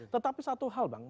tetapi satu hal bang